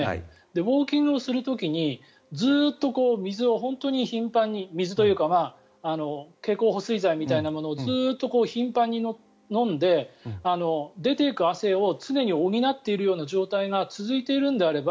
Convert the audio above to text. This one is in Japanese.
ウォーキングをする時にずっと水を頻繁に水というか経口補水材みたいなものをずっと頻繁に飲んで出ていく汗を常に補っているような状態が続いているようであれば